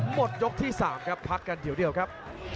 หมดยกที่๓ครับพักกันเดี๋ยวครับ